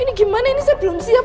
ini gimana ini saya belum siap